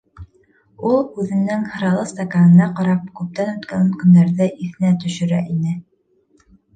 Ул, үҙенең һыралы стаканына ҡарап, күптән үткән көндәрҙе иҫенә төшөрә ине.